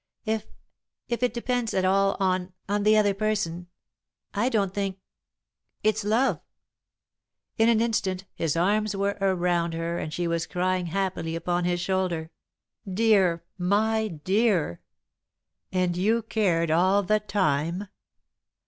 If if it depends at all on on the other person, I don't think it's love." [Sidenote: Her Very Own] In an instant his arms were around her, and she was crying happily upon his shoulder. "Dear, my dear! And you cared all the time?"